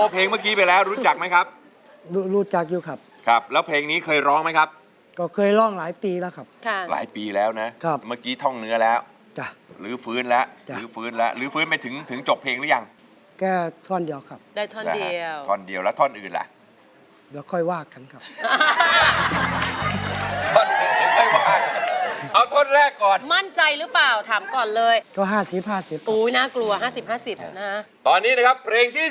ยังอย่างนี้อย่างนี้อย่างนี้อย่างนี้อย่างนี้อย่างนี้อย่างนี้อย่างนี้อย่างนี้อย่างนี้อย่างนี้อย่างนี้อย่างนี้อย่างนี้อย่างนี้อย่างนี้อย่างนี้อย่างนี้อย่างนี้อย่างนี้อย่างนี้อย่างนี้อย่างนี้อย่างนี้อย่างนี้อย่างนี้อย่างนี้